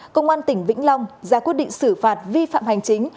công an tỉnh vĩnh long ra quyết định xử phạt vi phạm hành chính